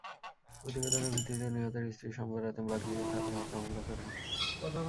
প্রতিবেদনের ভিত্তিতে নিহতের স্ত্রী সোমবার রাতে বাকলিয়া থানায় হত্যা মামলা করেন।